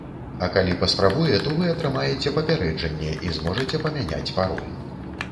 А калі паспрабуе, то вы атрымаеце папярэджанне і зможаце памяняць пароль.